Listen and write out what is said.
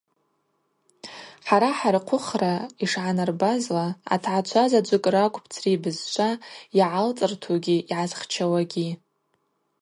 Хӏара хӏырхъвыхра йшгӏанарбазла, атгӏачвазаджвыкӏ ракӏвпӏ цри бызшва йагӏалцӏыртугьи йгӏазхчауагьи.